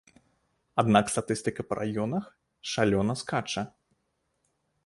Аднак статыстыка па раёнах шалёна скача.